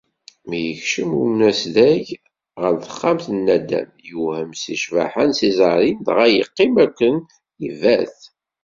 Mi yekcem umasdag ɣer texxamt n nadam, yewhem seg ccbaḥa n Césarine, dɣa yeqqim akken ibat.